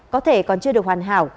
có thể còn chưa được hoàn hảo